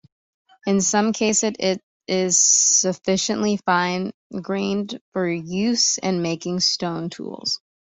In some cases, it is sufficiently fine-grained for use in making stone tools.